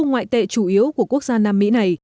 ngoại tệ chủ yếu của quốc gia nam mỹ này